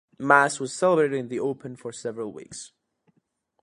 Mass was celebrated in the open for several weeks.